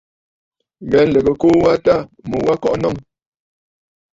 Ghɛ̀ɛ nlɨgə ɨkuu wa tâ mu wa kɔʼɔ nɔŋə.